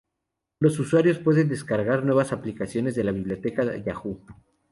Los usuarios pueden descargar nuevas aplicaciones de la biblioteca Yahoo!